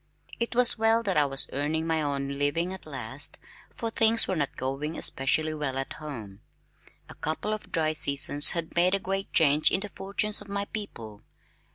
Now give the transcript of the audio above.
It was well that I was earning my own living at last, for things were not going especially well at home. A couple of dry seasons had made a great change in the fortunes of my people.